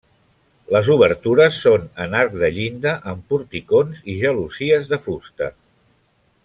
Les obertures són en arc de llinda, amb porticons i gelosies de fusta.